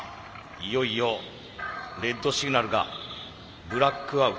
いよいよレッドシグナルがブラックアウト。